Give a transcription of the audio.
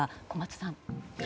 小松さん。